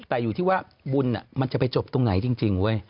แต่อยู่ที่ว่าบุญมันจะไปจบตรงไหนจริงเว้ย